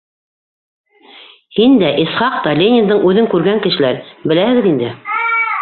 Һин дә, Исхаҡ та Лениндың үҙен күргән кешеләр, беләһегеҙ инде.